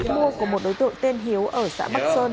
mua của một đối tượng tên hiếu ở xã bắc sơn